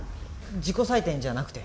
自己採点じゃなくて？